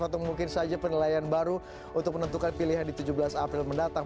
atau mungkin saja penilaian baru untuk menentukan pilihan di tujuh belas april mendatang